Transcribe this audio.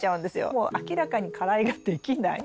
もう明らかに花蕾ができない。